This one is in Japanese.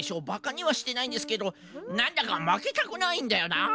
バカにはしてないんですけどなんだかまけたくないんだよな。